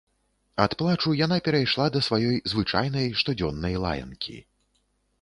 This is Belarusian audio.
Ад плачу яна перайшла да сваёй звычайнай, штодзённай лаянкі.